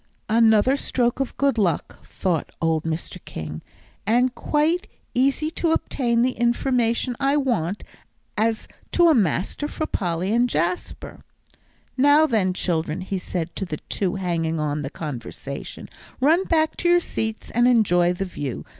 "Another stroke of good luck," thought old Mr. King, "and quite easy to obtain the information I want as to a master for Polly and Jasper." "Now then, children," he said to the two hanging on the conversation, "run back to your seats and enjoy the view.